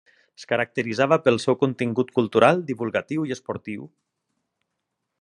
Es caracteritzava pel seu contingut cultural, divulgatiu i esportiu.